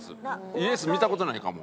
ＹＥＳ見た事ないかも。